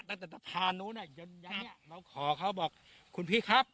ตั้งแต่ปลานู้นน่ะยันยันเนี้ยเราขอเขาบอกคุณพี่ครับ